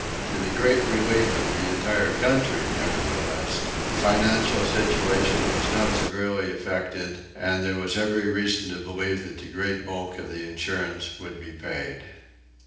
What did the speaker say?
To the great relief of the entire country, nevertheless, the financial situation was not severely affected, and there was every reason to believe that the great bulk of the insurance would be paid.